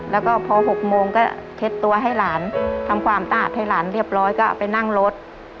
แล้วก็พอ๖โมงก็เช็ดตัวให้หลานทำความสะอาดให้หลานเรียบร้อยก็เอาไปนั่งรถ